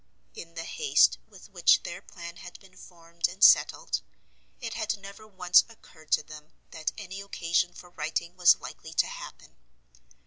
In the haste with which their plan had been formed and settled, it had never once occurred to them that any, occasion for writing was likely to happen.